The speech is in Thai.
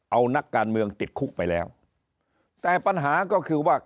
เอานักการเมืองติดคุกไปแล้วแต่ปัญหาก็คือว่า